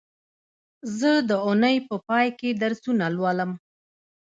زه د اونۍ په پای کې درسونه لولم